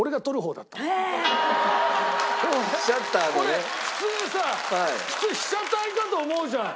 俺普通さ普通被写体だと思うじゃん？